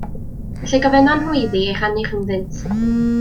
Felly gofynnon nhw iddi ei rannu rhyngddynt.